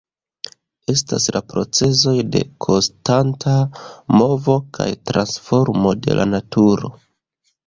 Estas la procezoj de konstanta movo kaj transformo de la naturo.